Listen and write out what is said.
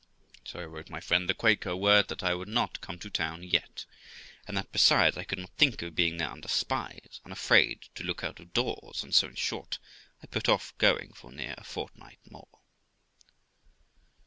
so I wrote my friend the Quaker word that I could not come to town yet; and that, besides, I could not think of being there under spies, and afraid to look out of doors ; and so, in short, I put off going for near a fortnight more.